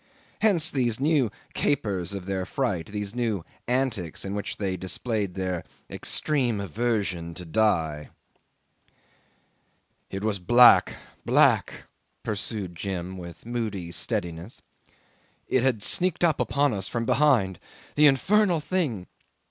Hence these new capers of their fright, these new antics in which they displayed their extreme aversion to die. '"It was black, black," pursued Jim with moody steadiness. "It had sneaked upon us from behind. The infernal thing!